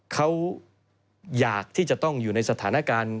เขาอยากที่จะต้องอยู่ในสถานการณ์